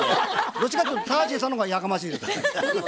どっちかっていうとタージンさんの方がやかましいです。